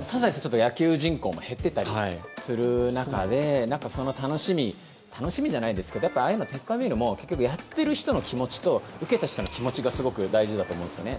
ただ、野球人口も減っていたりする中で、楽しみじゃないですけどペッパーミルもやっている人の気持ちと、受けた人の気持ちがすごく大事だと思うんですよね。